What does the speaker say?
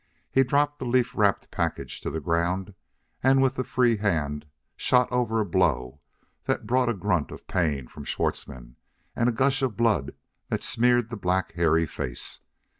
He dropped the leaf wrapped package to the ground, and, with the free hand, shot over a blow that brought a grunt of pain from Schwartzmann and a gush of blood that smeared the black, hairy face.